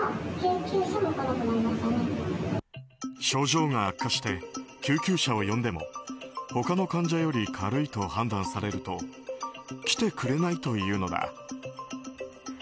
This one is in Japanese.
症状が悪化して救急車を呼んでも他の患者より軽いと判断されると来てくれないというのだ。